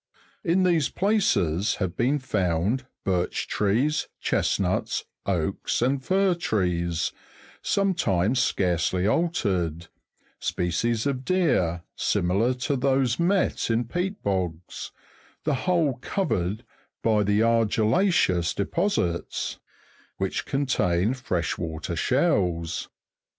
In these places have been found birch trees, chestnuts, oaks, and fir trees, sometimes scarcely altered, species of deer, similar to those met in peat bogs; the whole covered by argillaceous deposits, which contain fresh water shells.